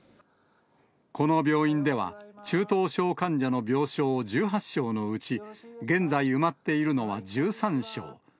この病院では、中等症患者の病床１８床のうち、現在埋まっているのは１３床。